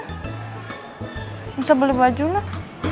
gak usah beli baju lah